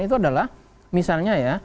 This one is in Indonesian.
itu adalah misalnya ya